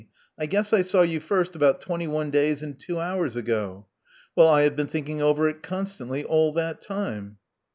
I guess I saw you first about twenty one days and two hours ago. Well, I have been thinking over it constantly all that time.